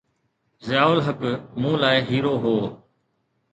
ضياءُ الحق مون لاءِ هيرو هو.